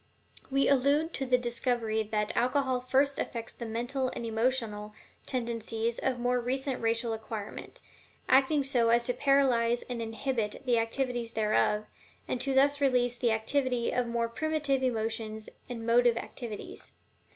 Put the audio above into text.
We allude to the discovery that alcohol first affects the mental and emotional tendencies of more recent racial acquirement, acting so as to paralyze and inhibit the activities thereof, and to thus release the activity of the more primitive emotions and motive activities.